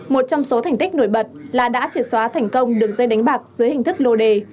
một trong số thành tích nổi bật là đã triệt xóa thành công đường dây đánh bạc dưới hình thức lô đề